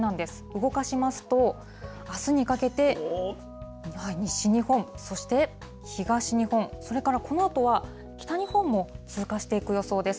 動かしますと、あすにかけて、西日本、そして東日本、それからこのあとは、北日本も通過していく予想です。